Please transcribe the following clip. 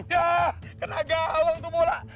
yah kena gawang tuh bola